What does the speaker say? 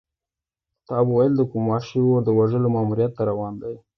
تا به ویل د کوم وحشي اور د وژلو ماموریت ته روان دی.